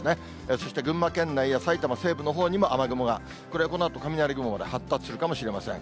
そして群馬県内や埼玉西部のほうにも雨雲が、これこのあと、雷雲まで発達するかもしれません。